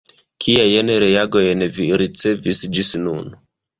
Kiajn reagojn vi ricevis ĝis nun?